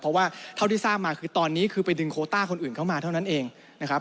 เพราะว่าเท่าที่ทราบมาคือตอนนี้คือไปดึงโคต้าคนอื่นเข้ามาเท่านั้นเองนะครับ